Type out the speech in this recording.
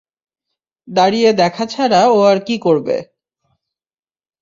দাঁড়িয়ে দেখা ছাড়া ও আর কী করবে?